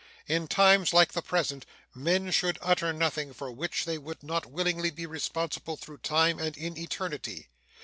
In times like the present men should utter nothing for which they would not willingly be responsible through time and in eternity.